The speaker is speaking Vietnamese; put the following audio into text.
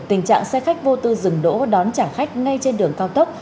tình trạng xe khách vô tư dừng đỗ đón trả khách ngay trên đường cao tốc